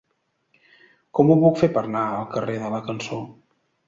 Com ho puc fer per anar al carrer de la Cançó?